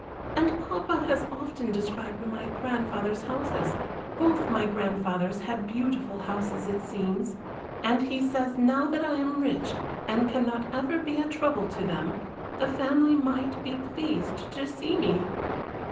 And papa has often described my grandfather's houses. Both my grandfathers had beautiful houses, it seems, and he says, now that I am rich and cannot ever be a trouble to them, the family might be pleased to see me."